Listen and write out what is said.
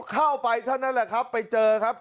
เข้าไปเท่านั้นแหละครับไปเจอครับ